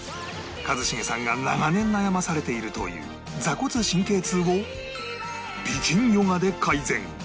一茂さんが長年悩まされているという坐骨神経痛を美筋ヨガで改善